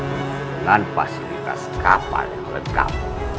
dengan fasilitas kapal yang lengkap